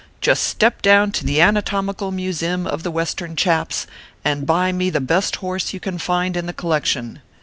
just step down to the anatomical museum of the Western chaps, and buy me the best horse you can find in the collection.